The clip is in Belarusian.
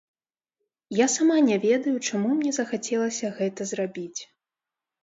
Я сама не ведаю, чаму мне захацелася гэта зрабіць.